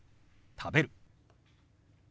「食べる」。